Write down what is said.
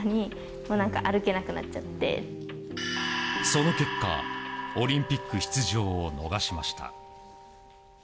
その結果オリンピック出場を逃しました。